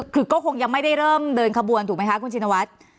คือก็คงยังไม่ได้เริ่มเดินขบวนถูกไหมคะคุณชินวัฒน์